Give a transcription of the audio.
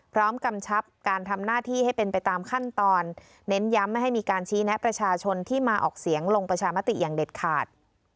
กำชับการทำหน้าที่ให้เป็นไปตามขั้นตอนเน้นย้ำไม่ให้มีการชี้แนะประชาชนที่มาออกเสียงลงประชามติอย่างเด็ดขาด